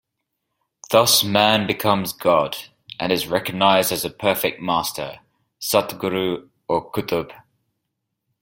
Thus Man becomes God, and is recognized as a Perfect Master, Satguru, or Kutub.